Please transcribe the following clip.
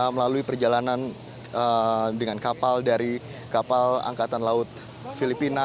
melalui perjalanan dengan kapal dari kapal angkatan laut filipina